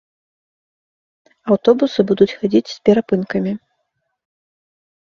Аўтобусы будуць хадзіць з перапынкамі.